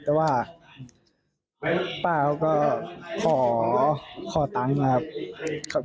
แต่ว่าป้าเขาก็ขอตังค์นะครับ